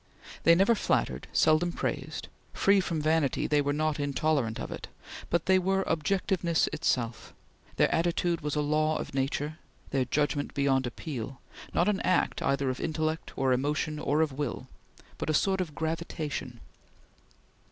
They never flattered, seldom praised; free from vanity, they were not intolerant of it; but they were objectiveness itself; their attitude was a law of nature; their judgment beyond appeal, not an act either of intellect or emotion or of will, but a sort of gravitation.